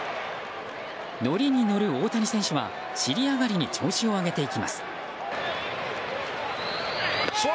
乗りに乗る大谷選手は尻上がりに調子を上げていきます。